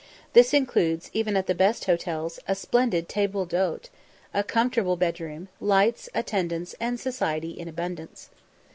This includes, even at the best hotels, a splendid table d'hóte, a comfortable bedroom, lights, attendance, and society in abundance.